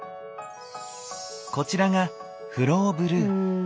こちらが「フローブルー」。